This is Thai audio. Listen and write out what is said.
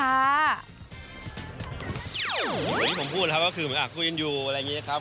เหมือนที่ผมพูดครับก็คือคุณอาจคุยกันอยู่อะไรอย่างนี้ครับ